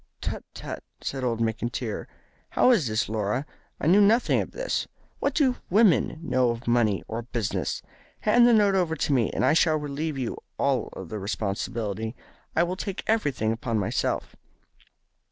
"Tut! Tut!" said old McIntyre. "How is this, Laura? I knew nothing of this. What do women know of money or of business? Hand the note over to me and I shall relieve you of all responsibility. I will take everything upon myself."